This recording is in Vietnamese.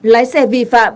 lái xe vì phạm